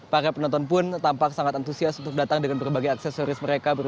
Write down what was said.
para penonton pun tampak sangat antusias untuk datang dengan berbagai aksesoris mereka